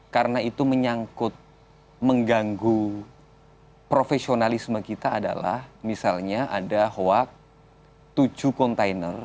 karena itu menyangkut mengganggu profesionalisme kita adalah misalnya ada hoak tujuh kontainer